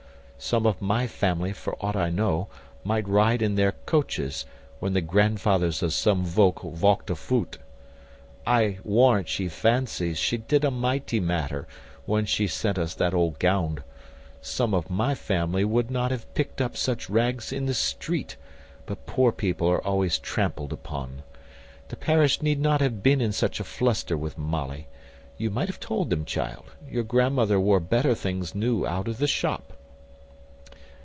Some of my family, for aught I know, might ride in their coaches, when the grandfathers of some voke walked a voot. I warrant she fancies she did a mighty matter, when she sent us that old gownd; some of my family would not have picked up such rags in the street; but poor people are always trampled upon. The parish need not have been in such a fluster with Molly. You might have told them, child, your grandmother wore better things new out of the shop."